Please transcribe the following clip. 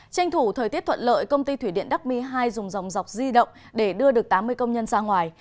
tranh thủ thời tiết thuận lợi công ty thủy điện đắc mi hai dùng dòng dọc di động để đưa được tám mươi công nhân ra ngoài